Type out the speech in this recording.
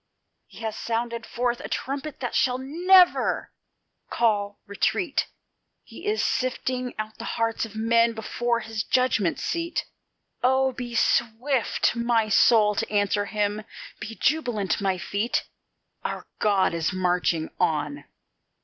He has sounded forth the trumpet that shall never call retreat; He is sifting out the hearts of men before his judgment seat: Oh! be swift, my soul, to answer Him! be jubilant, my feet! Our God is marching on.